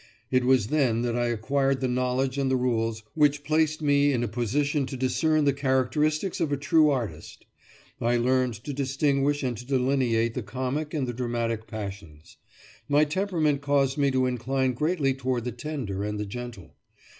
It was then that I acquired the knowledge and the rules which placed me in a position to discern the characteristics of a true artist. I learned to distinguish and to delineate the comic and the dramatic passions. My temperament caused me to incline greatly toward the tender and the gentle.